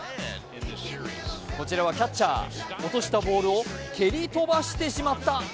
こちらはキャッチャー、落としたボールを蹴り飛ばしてしまった。